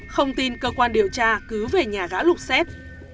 không tin cơ quan điều tra cứ về nhà đã lục xét